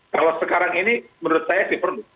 kalau sekarang ini menurut saya sih perlu